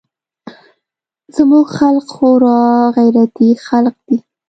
زموږ خلق خورا غيرتي خلق دي.